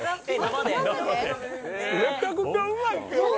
めちゃくちゃうまいっすよ。